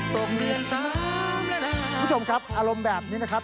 ตกเดือน๓แล้วนะครับคุณผู้ชมครับอารมณ์แบบนี้นะครับ